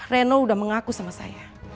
reno udah mengaku sama saya